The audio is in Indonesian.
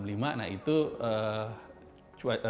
nah itu cuacanya mungkin udah lebih tidak terlalu panas